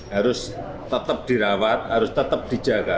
harus tetap dirawat harus tetap dijaga